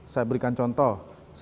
saya berikan contoh